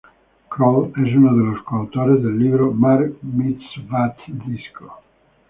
Kroll es uno de los co-autores del libro "Bar Mitzvah Disco".